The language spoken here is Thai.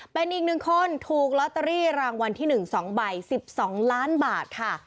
เป็นอีกหนึ่งคนถูกลอตเตอรี่รางวัลที่หนึ่งสองใบสิบสองล้านบาทค่ะ